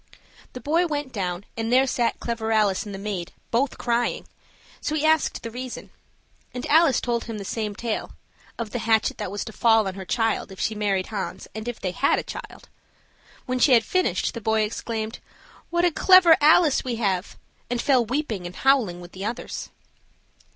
The boy went down, and there sat Clever Alice and the maid both crying, so he asked the reason; and Alice told him the same tale, of the hatchet that was to fall on her child, if she married Hans, and if they had a child. When she had finished, the boy exclaimed, "What a clever Alice we have!" and fell weeping and howling with the others.